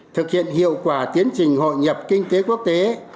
thực hiện hiệu quả tiến trình hội nhập kinh tế quốc tế